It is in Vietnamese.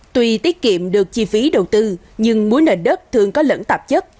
tuy tiết kiệm được chi phí đầu tư nhưng muối nền đất thường có lẫn tạp chất